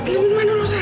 beli minuman dulu san